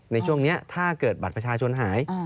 ในช่วงนี้ถ้าเกิดบัตรประชาชนหาย